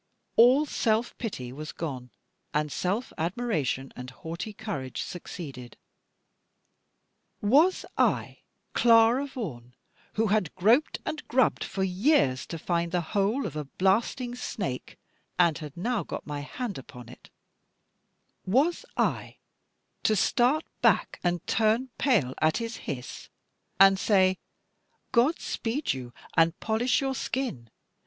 All self pity was gone; and self admiration, and haughty courage succeeded. Was I, Clara Vaughan, who had groped and grubbed for years to find the hole of a blasting snake, and had now got my hand upon it, was I to start back and turn pale at his hiss, and say, "God speed you and polish your skin.